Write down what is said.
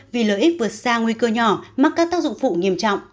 vì lợi ích vượt xa nguy cơ nhỏ mắc các tác dụng phụ nghiêm trọng